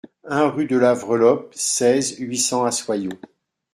un rue de la Vreloppe, seize, huit cents à Soyaux